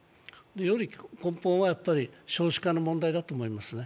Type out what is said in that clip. より根本は少子化の問題だと思いますね。